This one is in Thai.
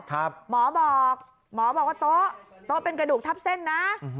หมอบอกว่าโต๊ะเป็นกระดุกทับเส้นนะ